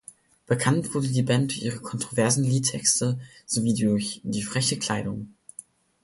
Bekannt wurde die Band durch ihre kontroversen Liedtexte, sowie durch die freche Kleidung.